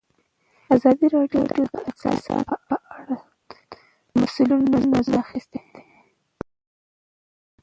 ازادي راډیو د اقتصاد په اړه د مسؤلینو نظرونه اخیستي.